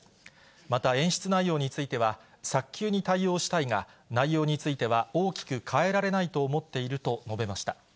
また演出内容については、早急に対応したいが、内容については大きく変えられないと思っていると述べました。